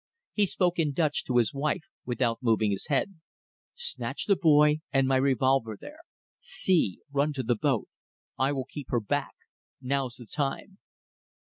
He spoke in Dutch to his wife, without moving his head. "Snatch the boy and my revolver there. See. Run to the boat. I will keep her back. Now's the time."